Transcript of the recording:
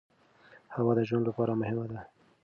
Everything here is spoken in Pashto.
هوا د ژوند لپاره مهمه ده.